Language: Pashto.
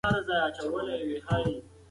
موږ بايد خپل مسؤليت وپېژنو.